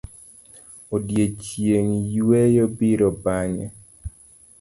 Odiochieng' yueyo biro bang'e.